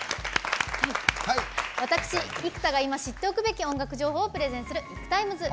私、生田が今、知っておくべき音楽情報をプレゼンする「ＩＫＵＴＩＭＥＳ」。